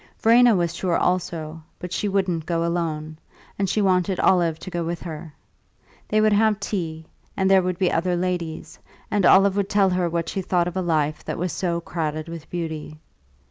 Verena was sure also, but she wouldn't go alone, and she wanted Olive to go with her. They would have tea, and there would be other ladies, and Olive would tell her what she thought of a life that was so crowded with beauty.